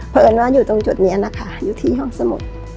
เพราะเอิญว่าอยู่ตรงจุดนี้นะคะอยู่ที่ห้องสมุทร